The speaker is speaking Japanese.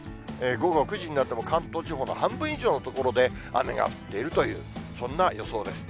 午後９時になっても、関東地方の半分以上の所で雨が降っているという、そんな予想です。